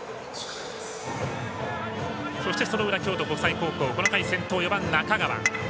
そしてその裏、京都国際高校この回先頭、中川。